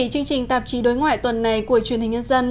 chương trình tạp chí đối ngoại tuần này của truyền hình nhân dân